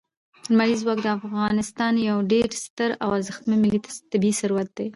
لمریز ځواک د افغانستان یو ډېر ستر او ارزښتمن ملي طبعي ثروت دی.